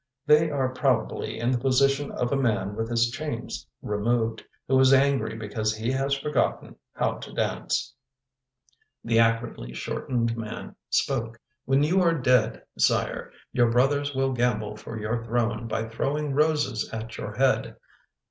They are prob ably in the position of a man with his chains removed, who is angry because he has forgotten how to dance I " The acridly shortened man spoke. 11 When you are dead, sire, your brothers will gamble for your throne by throwing roses at your head.